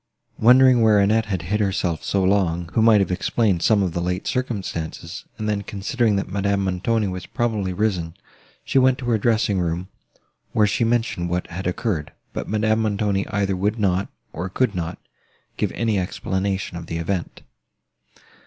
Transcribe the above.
Wondering where Annette had hid herself so long, who might have explained some of the late circumstances, and then considering that Madame Montoni was probably risen, she went to her dressing room, where she mentioned what had occurred; but Madame Montoni either would not, or could not, give any explanation of the event.